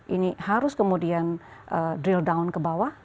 ini harus kemudian drill down ke bawah